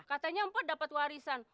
katanya mpok dapat warisan